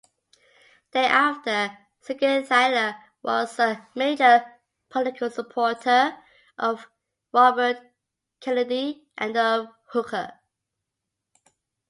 Thereafter, Seigenthaler was a major political supporter of Robert Kennedy and of Hooker.